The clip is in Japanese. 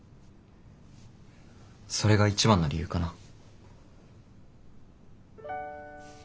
それが一番の理由かな。